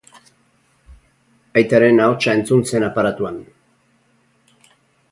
Aitaren ahotsa entzun zen aparatuan.